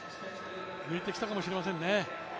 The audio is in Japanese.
抜いてきたかもしれませんね。